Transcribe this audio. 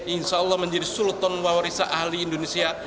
insya allah menjadi sultan wawarisa ahli indonesia